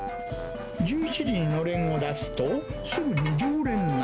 １１時にのれんを出すと、すぐに常連が。